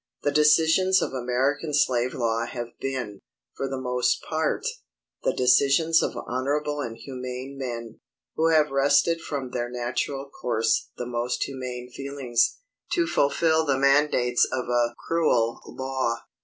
The decisions of American slave law have been, for the most part, the decisions of honorable and humane men, who have wrested from their natural course the most humane feelings, to fulfil the mandates of a cruel law.